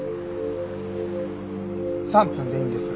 ３分でいいんです。